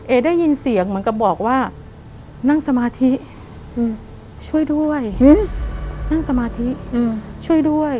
ได้ยินเสียงเหมือนกับบอกว่านั่งสมาธิช่วยด้วยนั่งสมาธิช่วยด้วย